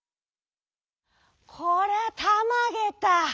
「こりゃたまげた。